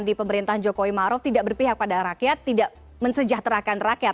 di pemerintahan jokowi maruf tidak berpihak pada rakyat tidak mensejahterakan rakyat